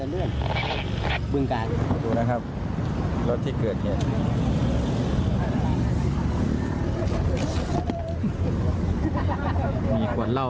นี่ไงมีหมวกตำรวจมีชุดตำรวจมีขวดเหล้า